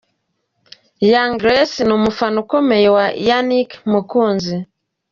Young Grace ni umufana ukomeye wa Yannick Mukunzi :.